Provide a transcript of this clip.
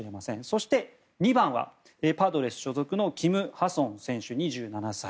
そして、２番はパドレス所属のキム・ハソン選手、２７歳。